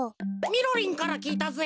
みろりんからきいたぜ。